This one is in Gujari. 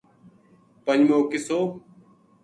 پنجمو قصو